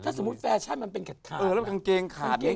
ถ้าสมมติแฟชั่นมันเป็นกางเกงขาด